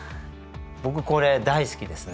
僕これ大好きですね。